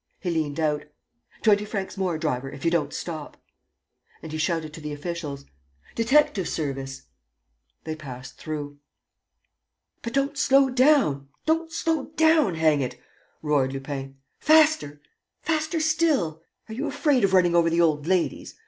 He leant out: "Twenty francs more, driver, if you don't stop." And he shouted to the officials: "Detective service!" They passed through. "But don't slow down, don't slow down, hang it!" roared Lupin. "Faster! ... Faster still! Are you afraid of running over the old ladies?